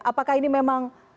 apakah ini memang